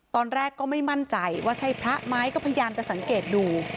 ตอนแรกก็ไม่มั่นใจว่าใช่พระไหมก็พยายามจะสังเกตดู